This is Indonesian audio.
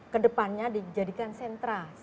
kedepannya dijadikan sentra